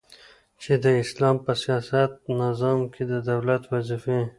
چي د اسلام په سیاسی نظام کی د دولت وظيفي.